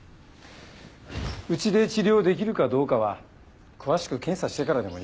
うちで治療できるかどうかは詳しく検査してからでもいいでしょう院長。